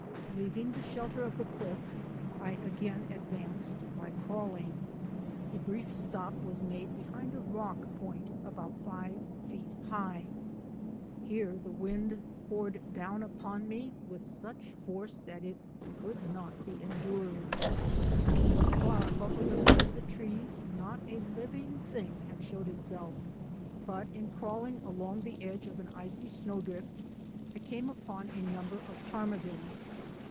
Leaving the shelter of the cliff, I again advanced by crawling. A brief stop was made behind a rock point about five feet high. Here the wind poured WIND RAPIDS ON THE HEIGHTS 81 down upon me with such force that it could not be endured. Thus far above the limits of the trees not a living thing had showed itself, but in crawling along the edge of an icy snowdrift I came upon a number of ptarmigan.